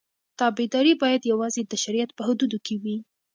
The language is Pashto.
تابعداري باید یوازې د شریعت په حدودو کې وي.